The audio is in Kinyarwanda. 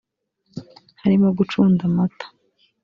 harimo gucunda amata